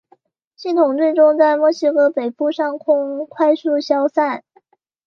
系统最终在墨西哥北部上空快速消散。